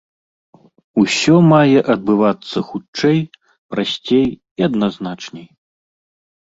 Усё мае адбывацца хутчэй, прасцей і адназначней.